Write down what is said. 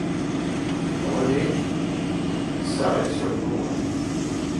René s'arrête sur les Gaulois.